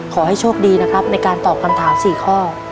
ขอให้โชคดีนะครับในการตอบคำถาม๔ข้อ